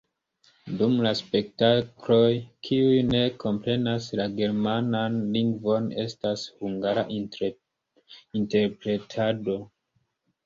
Dum la spektakloj kiuj ne komprenas la germanan lingvon, estas hungara interpretado.